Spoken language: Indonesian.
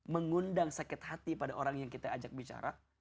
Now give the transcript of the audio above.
mengundang sakit hati pada orang yang kita ajak bicara